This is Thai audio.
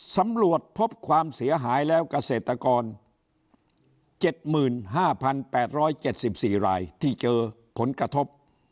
สำรวจพบความเสียหายแล้วเกษตรกร๗๕๘๗๔รายที่เจอผลกระทบ